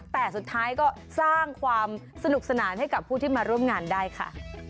แต่สุดท้ายก็สร้างความสนุกสนานให้กับผู้ที่มาร่วมงานได้ค่ะ